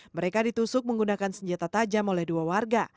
mereka ditusuk menggunakan senjata tajam oleh dua warga